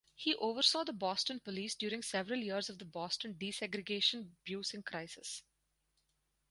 He oversaw the Boston police during several years of the Boston desegregation busing crisis.